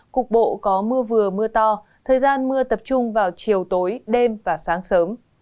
cục bộ có mưa vừa mưa to thời gian mưa tập trung vào chiều tối đêm và sáng sớm